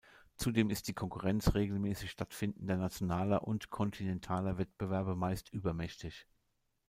Zudem ist die Konkurrenz regelmäßig stattfindender nationaler und kontinentaler Wettbewerbe meist übermächtig.